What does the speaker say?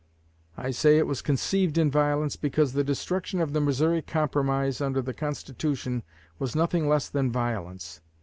I say it was conceived in violence, because the destruction of the Missouri Compromise under the Constitution was nothing less than violence.